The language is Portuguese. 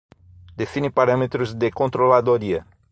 Define parâmetros de controladoria